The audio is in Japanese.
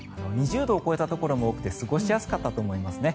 ２０度を超えたところも多くて過ごしやすかったと思いますね。